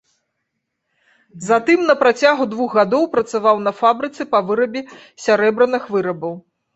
Затым на працягу двух гадоў працаваў на фабрыцы па вырабе сярэбраных вырабаў.